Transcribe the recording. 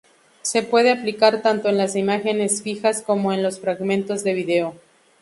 Se puede aplicar tanto en las imágenes fijas cómo en los fragmentos de vídeo.